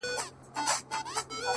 په انتظار یم